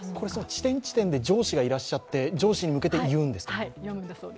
地点地点で上司がいらっしゃって、上司に向けて言うんですか。